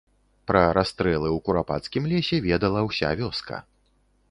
Пра расстрэлы ў курапацкім лесе ведала ўся вёска.